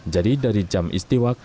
jadi dari jam istiwa